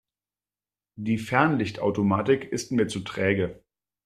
Die Fernlichtautomatik ist mir zu träge.